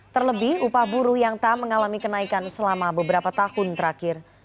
terlebih upah buruh yang tak mengalami kenaikan selama beberapa tahun terakhir